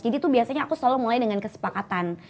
jadi tuh biasanya aku selalu mulai dengan kesepakatan